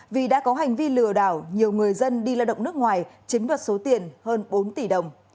vì đã có hành vi lừa đảo nhiều người dân đi lao động nước ngoài chiếm đoạt số tiền hơn bốn tỷ đồng